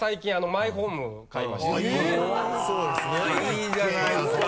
いいじゃないですか！